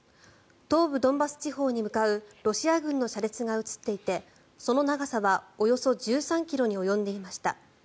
東部ドンバス地方に向かうロシア軍の車列が写っていてその長さはおよそ１３ｋｍに及んでいました。